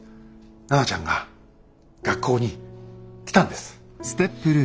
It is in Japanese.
奈々ちゃんが学校に来たんです。